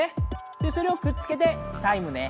でそれをくっつけて「タイム」ね。